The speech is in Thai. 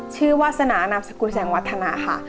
ชื่อวาสนาหนังสกุลแสมาวัฒนาค่ะ